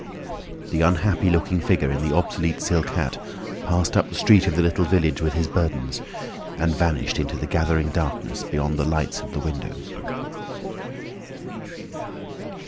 The unhappy looking figure in the obsolete silk hat passed up the street of the little village with his burdens, and vanished into the gathering darkness beyond the lights of the windows.